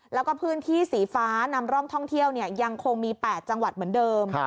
แล้วก็พื้นที่สีฟ้านำร่องท่องเที่ยวยังคงมี๘จังหวัดเหมือนเดิม